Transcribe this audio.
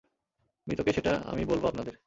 মৃত কে সেটা আমি বলবো আপনাদের।